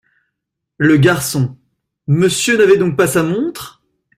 Le Garçon. — Monsieur n’avait donc pas sa montre ?